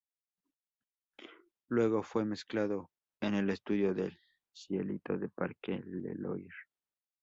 Luego fue mezclado en el estudio "Del Cielito" de Parque Leloir.